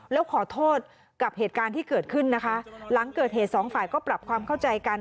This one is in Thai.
แล้วขอโทษกับเหตุการณ์ที่เกิดขึ้นนะคะหลังเกิดเหตุสองฝ่ายก็ปรับความเข้าใจกัน